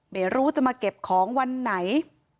ไม่รู้จะมาเก็บของวันไหน